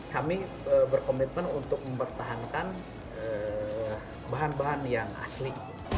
kami berkomitmen untuk mempertahankan bahan bahan yang asli